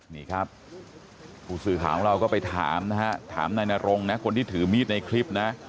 นี่ครับผู้สื่อข่าวของเราก็ไปถามนะฮะถามนายนรงนะคนที่ถือมีดในคลิปนะ